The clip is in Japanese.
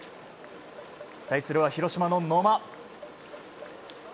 対するは広島の野間。